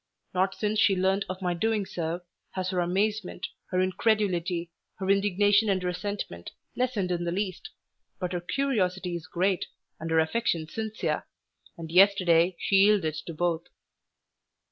Not since she learned of my doing so has her amazement, her incredulity, her indignation and resentment, lessened in the least, but her curiosity is great and her affection sincere, and yesterday she yielded to both.